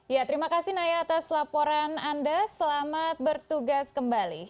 ya terima kasih naya atas laporan anda selamat bertugas kembali